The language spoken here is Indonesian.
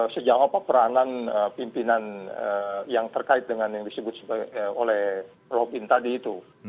sejauh apa peranan pimpinan yang terkait dengan yang disebut oleh robin tadi itu